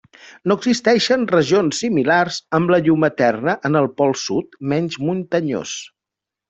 No existeixen regions similars amb la llum eterna en el pol sud menys muntanyós.